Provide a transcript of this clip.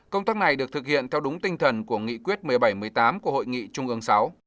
công tác này được thực hiện theo đúng tinh thần của nghị quyết một mươi bảy một mươi tám của hội nghị trung ương sáu